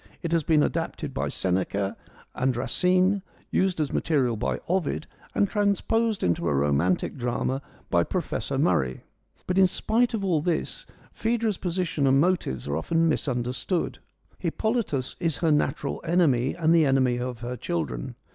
It has been adapted by Seneca and Racine, used as material by Ovid and transposed into a romantic drama by Professor Murray. But in spite of all this, Phaedra's position and motives are often mis understood. Hippolytus is her natural enemy and the enemy of her children.